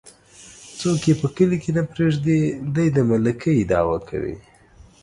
څوک يې په کلي کې نه پرېږدي ،دى د ملکۍ دعوه کوي.